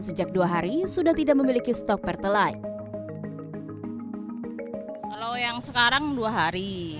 sejak dua hari sudah tidak memiliki stok pertalite kalau yang sekarang dua hari